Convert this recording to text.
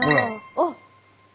あっ！